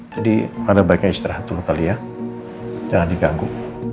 jadi pada baiknya istirahat dulu kali ya jangan diganggu